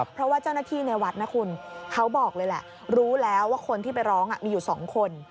เพราะว่าเจ้าหน้าที่ในวัดนะคุณเขาบอกเลยแหละรู้แล้วว่าคนที่ไปร้องมีอยู่๒คน